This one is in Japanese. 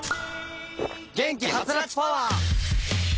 元気ハツラツパワー！